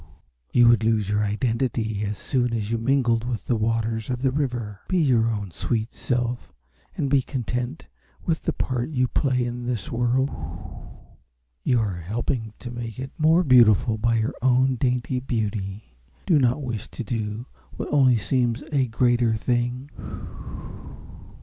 You would lose your identity as soon as you mingled with the waters of the river. Be your own sweet self and be content with the part you play in this world. You are helping to make it more beautiful by your own dainty beauty. Do not wish to do what only seems a greater thing."